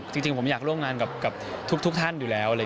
จริงผมอยากร่วมงานกับทุกท่านอยู่แล้ว